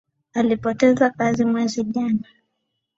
Alipoteza kazi mwezi jana